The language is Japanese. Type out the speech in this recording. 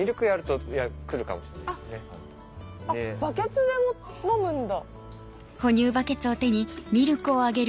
バケツで飲むんだ。